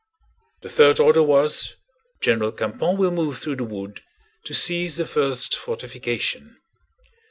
The third order was: General Campan will move through the wood to seize the first fortification.